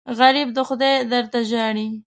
غریب د خدای در ته ژاړي